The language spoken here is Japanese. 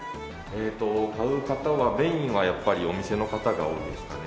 えーっと買う方はメインはやっぱりお店の方が多いですかね。